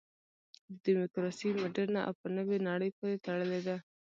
دیموکراسي مډرنه او په نوې نړۍ پورې تړلې ده.